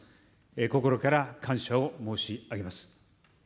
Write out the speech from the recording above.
心から感謝を申し上げます。